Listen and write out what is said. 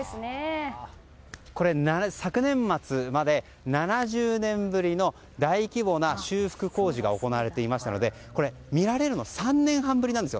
これ、昨年末まで７０年ぶりの大規模な修復工事が行われていましたので見られるの３年半ぶりなんです。